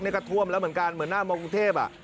นี่ก็ท่วมแล้วเหมือนกันเหมือนหน้ามองกรุงเทพ